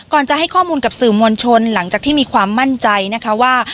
จะให้ข้อมูลกับสื่อมวลชนหลังจากที่มีความมั่นใจนะคะว่า